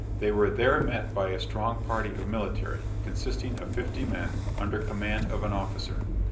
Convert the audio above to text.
They were there met by a strong party of military, consisting of 50 men, under command of an officer.